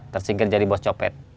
tersinggir jadi bos copet